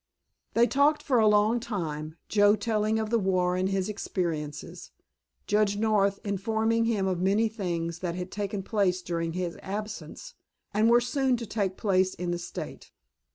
They talked for a long time, Joe telling of the war and his experiences, Judge North informing him of many things that had taken place during his absence, and were soon to take place in the State.